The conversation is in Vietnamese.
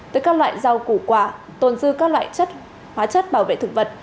từ các loại rau củ quả tồn dư các loại hóa chất bảo vệ thực vật